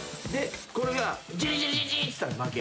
これがジリジリっつったら負け。